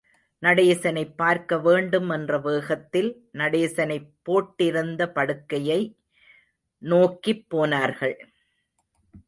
நடேசனைப் பார்க்க வேண்டும் என்ற வேகத்தில், நடேசனைப் போட்டிருந்த படுக்கையை நோக்கிப் போனார்கள்.